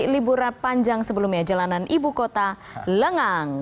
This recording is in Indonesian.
liburan panjang sebelumnya jalanan ibu kota lengang